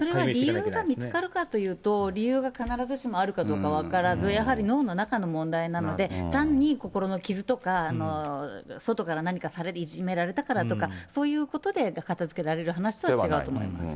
これは理由が見つかるかというと、理由が必ずしもあるかどうか分からず、やはり脳の中の問題なので、単に心の傷とか、外から何かいじめられたからとか、そういうことで片づけられる話とは違うと思います。